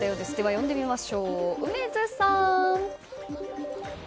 呼んでみましょう、梅津さん！